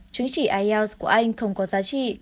chứng chỉ ielts của anh không có giá trị